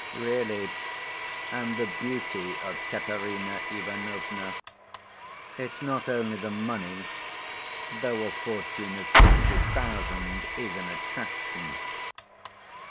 "Really? And the beauty of Katerina Ivanovna? It's not only the money, though a fortune of sixty thousand is an attraction."